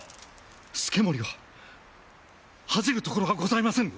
資盛は恥じるところはございませぬ。